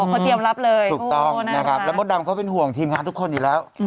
เขาเตรียมรับเลยถูกต้องนะครับแล้วมดดำเขาเป็นห่วงทีมงานทุกคนอยู่แล้ว